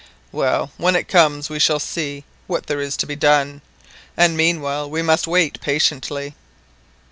Well, when it comes we shall see what there is to be done, and meanwhile we must wait patiently."